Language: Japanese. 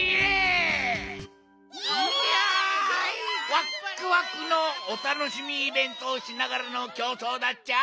ワックワクのおたのしみイベントをしながらのきょうそうだっちゃ。